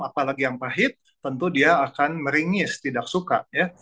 apalagi yang pahit tentu dia akan meringis tidak suka ya